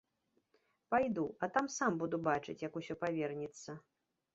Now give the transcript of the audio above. Пайду, а там сам буду бачыць, як усё павернецца.